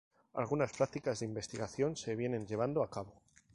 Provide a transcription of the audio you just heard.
Algunas prácticas de investigación se vienen llevando a cabo.